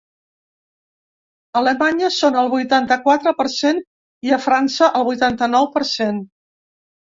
A Alemanya són el vuitanta-quatre per cent i a França el vuitanta-nou per cent.